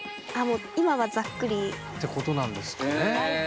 今はザックリ。ってことなんですかね。